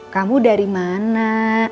kamu dari mana